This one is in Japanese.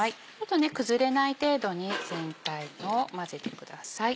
崩れない程度に全体を混ぜてください。